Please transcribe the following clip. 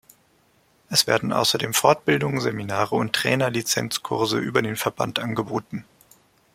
Es werden außerdem Fortbildungen, Seminare und Trainerlizenz-Kurse über den Verband angeboten.